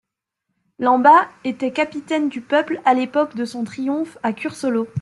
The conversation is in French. Lamba était capitaine du peuple à l'époque de son triomphe à Cursolo.